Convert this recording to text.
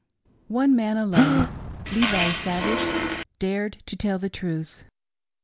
"One man alone — Levi Savage — dared to tell the truth.